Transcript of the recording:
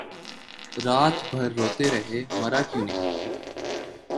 رات بھر روتے رہے مرا کوئی نہیں